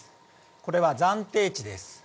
これは暫定値です。